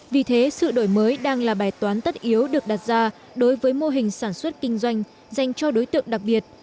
vì thế sự đổi mới đang là bài toán tất yếu được đặt ra đối với mô hình sản xuất kinh doanh dành cho đối tượng đặc biệt